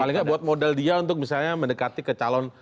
paling nggak buat modal dia untuk misalnya mendekati ke calon